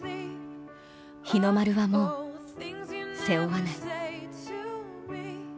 日の丸は、もう背負わない。